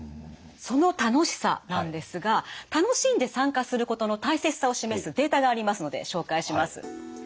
その楽しさなんですが楽しんで参加することの大切さを示すデータがありますので紹介します。